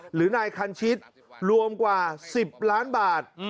หรือนายคันชิตรวมกว่า๑๐ล้านบาท